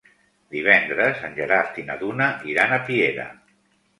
Divendres en Gerard i na Duna iran a Piera.